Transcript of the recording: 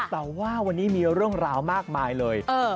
แต่ว่าวันนี้มีเรื่องราวมากมายเลย